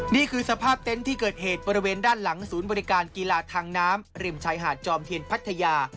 นี่คือสภาพเต็นต์ที่เกิดเหตุบริเวณด้านหลังศูนย์บริการกีฬาทางน้ำริมชายหาดจอมเทียนพัทยา